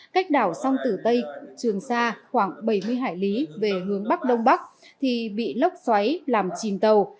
cách đảo song tử tây trường sa khoảng bảy mươi hải lý về hướng bắc đông bắc thì bị lốc xoáy làm chìm tàu